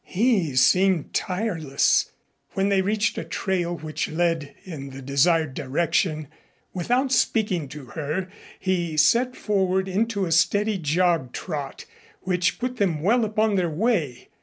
He seemed tireless. When they reached a trail which led in the desired direction, without speaking to her, he set forward into a steady jog trot which put them well upon their way.